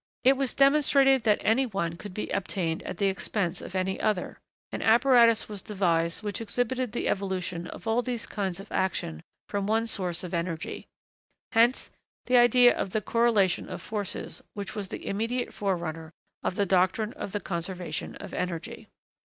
It was demonstrated that any one could be obtained at the expense of any other; and apparatus was devised which exhibited the evolution of all these kinds of action from one source of energy. Hence the idea of the 'correlation of forces' which was the immediate forerunner of the doctrine of the conservation of energy.